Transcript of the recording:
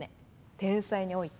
天才に多いって。